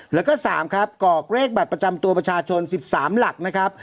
แล้วก็๓ครับกรอกเลขบัตรประจำตัวประชาชน๑๓หลักนะครับ